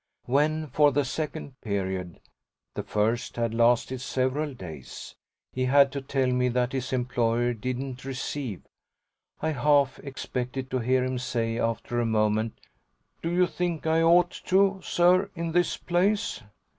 When for the second period the first had lasted several days he had to tell me that his employer didn't receive, I half expected to hear him say after a moment "Do you think I ought to, sir, in his place?"